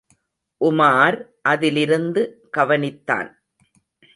உமார் அதிலிருந்து கவனித்தான்.